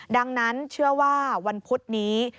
ดังนั้นเชื่อว่าวันพุธนี้